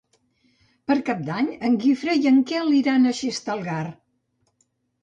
Per Cap d'Any en Guifré i en Quel iran a Xestalgar.